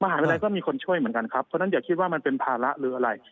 มหาวิทยาลัยก็มีคนช่วยเหมือนกันครับเพราะฉะนั้นอย่าคิดว่ามันเป็นภาระหรืออะไร